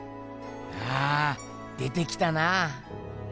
ああ出てきたなぁ。